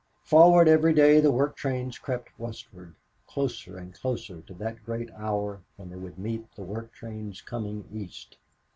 Forward every day the work trains crept westward, closer and closer to that great hour when they would meet the work trains coming east.